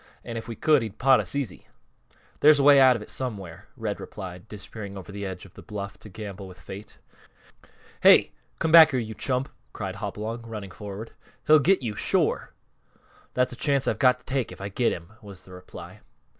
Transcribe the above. And if we could, he'd pot us easy." "There's a way out of it somewhere," Red replied, disappearing over the edge of the bluff to gamble with Fate. "Hey! Come back here, you chump!" cried Hopalong, running forward. "He'll get you, shore!" "That's a chance I've got to take if I get him," was the reply.